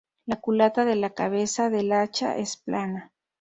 La culata de la cabeza del hacha es plana.